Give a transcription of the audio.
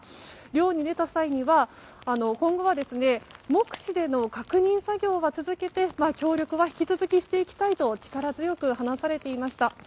漁に出た際には今後は目視での確認作業は続けて協力は引き続きしていきたいと力強く話されていました。